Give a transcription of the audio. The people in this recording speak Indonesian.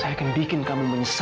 saya akan bikin kamu menyesal